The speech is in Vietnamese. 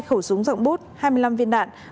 hai khẩu súng rộng bút hai mươi năm viên đạn